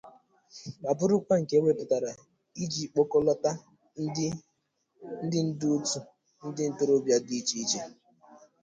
ma bụrụkwa nke e wepụtara iji kpọkọlọta ndị ndu òtù ndị ntorobịa dị iche iche